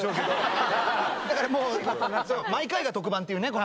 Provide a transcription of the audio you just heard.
だからもう毎回が特番っていうねこの。